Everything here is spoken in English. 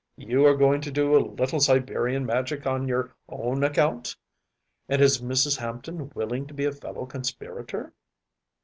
You are going to do a little Siberian Magic on your own account. And is Mrs. Hampton willing to be a fellow conspirator?